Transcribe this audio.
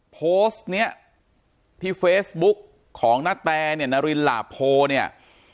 โพสต์เนี้ยที่เฟซบุ๊กของนาแตเนี่ยนารินหลาโพเนี่ย